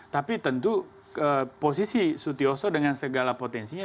tapi tentu posisi suti oso dengan segala potensinya